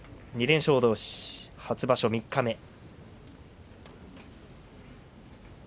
２連勝どうし、初場所三日目。